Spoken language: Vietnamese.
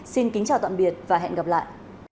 xin kính chào tạm biệt và hẹn gặp lại